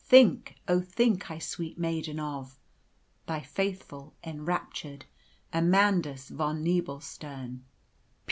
Think, oh, think I sweet maiden of "Thy faithful, enraptured, "AMANDUS VON NEBELSTERN.